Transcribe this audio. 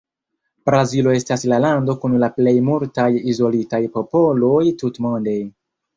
Brazilo estas la lando kun la plej multaj izolitaj popoloj tutmonde.